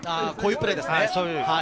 こういうプレーですね。